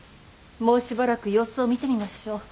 もうしばらく様子を見てみましょう。